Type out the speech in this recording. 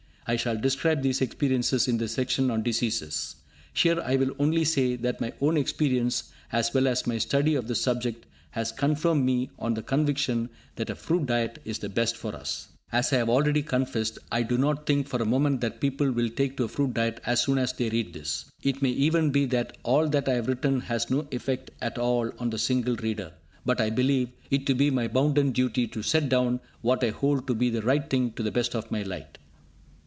I shall describe these experiences in the section on diseases. Here I will only say that my own experience, as well as my study of the subject, has confirmed me in the conviction that a fruit diet is the best for us. As I have already confessed, I do not think for a moment that people will take to a fruit diet as soon as they read this. It may even be that all that I have written has no effect at all on a single reader, but I believe it to be my bounden duty to set down what I hold to be the right thing to the best of my light.